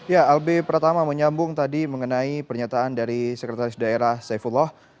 ya albi pertama menyambung tadi mengenai pernyataan dari sekretaris daerah saifullah